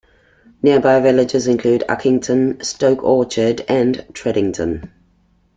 Nearby villages include Uckington, Stoke Orchard, and Tredington.